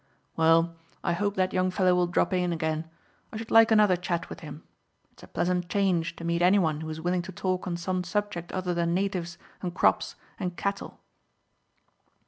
Well, I hope that young fellow will drop in again; I should like another chat with him. It's a pleasant change to meet any one who is willing to talk on some subject other than natives, and crops, and cattle."